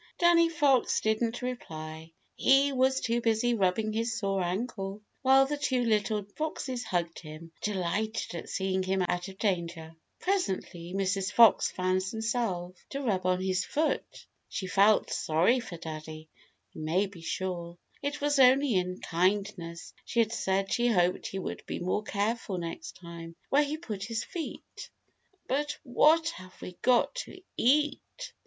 Danny Fox didn't reply. He was too busy rubbing his sore ankle, while the two little foxes hugged him, delighted at seeing him out of danger. Presently Mrs. Fox found some salve to rub on his foot. She felt sorry for Daddy, you may be sure. It was only in kindness she had said she hoped he would be more careful next time where he put his feet. "But what have we got to eat?"